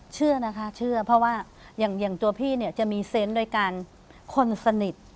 เชื่อนะคะเชื่อเพราะว่าอย่างตัวพี่เนี่ยจะมีเซนต์โดยการคนสนิท